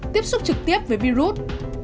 một tiếp xúc trực tiếp với virus